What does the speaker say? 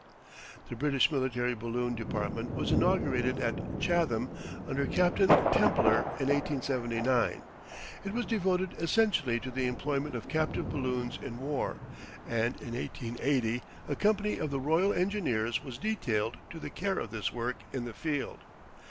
The British military balloon department was inaugurated at Chatham under Captain Templer in 1879. It was devoted essentially to the employment of captive balloons in war, and in 1880 a company of the Royal Engineers was detailed to the care of this work in the field.